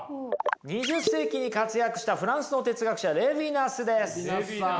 ２０世紀に活躍したフランスの哲学者レヴィナスです。